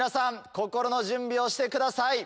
心の準備をしてください。